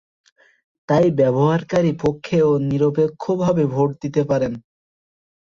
তাই ব্যবহারকারী পক্ষে বা নিরপেক্ষভাবে ভোট দিতে পারেন।